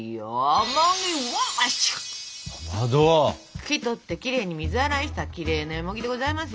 茎取ってきれいに水洗いしたきれいなよもぎでございますよ。